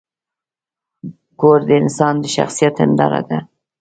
کور د انسان د شخصیت هنداره ده.